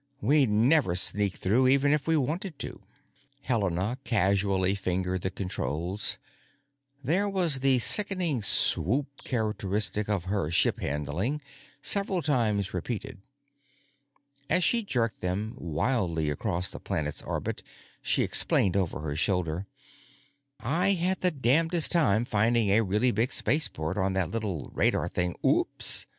We'd never sneak through even if we wanted to." Helena casually fingered the controls; there was the sickening swoop characteristic of her ship handling, several times repeated. As she jerked them wildly across the planet's orbit she explained over her shoulder, "I had the darnedest time finding a really big spaceport on that little radar thing—oops!